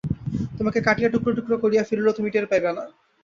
তোমাকে কাটিয়া টুকরা টুকরা করিয়া ফেলিলেও তুমি টের পাইবে না।